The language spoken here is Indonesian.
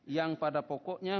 yang pada pokoknya